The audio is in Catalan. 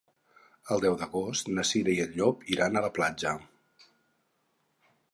El deu d'agost na Cira i en Llop iran a la platja.